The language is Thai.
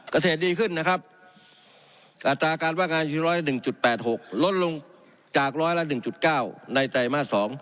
เกษตรดีขึ้นนะครับจากการว่างานที่๑๐๐ละ๑๘๖ลดลงออกจาก๑๐๐ละ๑๙ในไตรมาส๒